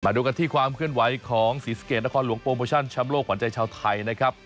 ดูกันที่ความเคลื่อนไหวของศรีสะเกดนครหลวงโปรโมชั่นแชมป์โลกขวัญใจชาวไทยนะครับ